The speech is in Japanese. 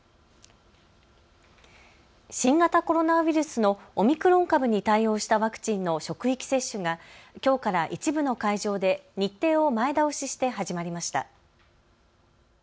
新型コロナウイルスのオミクロン株に対応したワクチンの職域接種がきょうから一部の会場で日程を前倒しして始まりました。